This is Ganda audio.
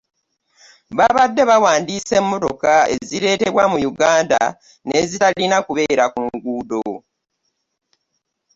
Babadde bawandiisa emmotoka ezireetebwa mu ggwanga n'ezitalina kubeera ku nguudo